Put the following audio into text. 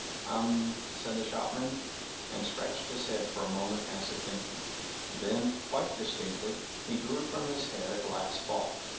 “ Um ! ” said the shopman, and scratched his head for a moment as if thinking. Then, quite distinctly, he drew from his head a glass ball.